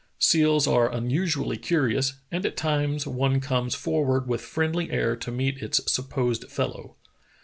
Seals are unusually curious, and at times one comes forward with friendly air to meet its supposed fellow.